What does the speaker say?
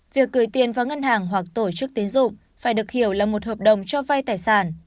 việc gửi tiền vào ngân hàng hoặc tổ chức tiến dụng phải được hiểu là một hợp đồng cho vay tài sản